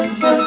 tunggu aku mau